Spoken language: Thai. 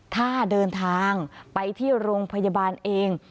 ถ้าเดินทางไปที่โรงพยาบาลเอง